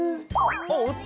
おっと！